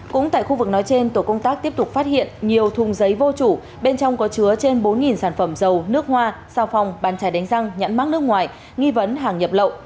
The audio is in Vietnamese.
cũng tại khu vực nói trên tổ công tác tiếp tục phát hiện nhiều thùng giấy vô chủ bên trong có chứa trên bốn sản phẩm dầu nước hoa sao phòng bàn trái đánh răng nhãn mắc nước ngoài nghi vấn hàng nhập lậu